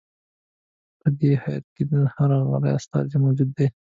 په دې هیات کې د هر غله استازی موجود دی.